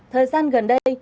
thời gian gần đây